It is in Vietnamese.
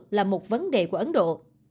đây là một vấn đề của ấn độ